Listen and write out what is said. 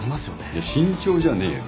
いや身長じゃねえよ。